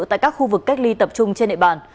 tại các khu vực cách ly tập trung trên địa bàn